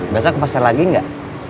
biasa kemas terlagi gak